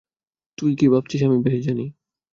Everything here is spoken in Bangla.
তুই কী ভাবছিস আমি বেশ জানি।